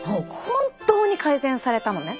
本当に改善されたのね。